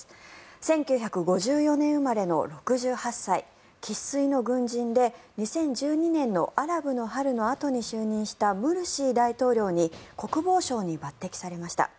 １９５４年生まれの６８歳生粋の軍人で２０１２年のアラブの春のあとに就任したムルシー大統領に国防相に抜てきされました。